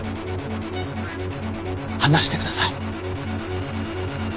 離してください。